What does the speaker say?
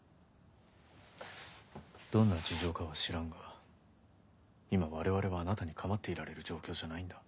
どんな事情かは知らんが今我々はあなたに構っていられる状況じゃないんだ。